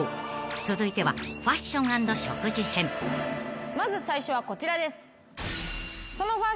［続いては］まず最初はこちらです。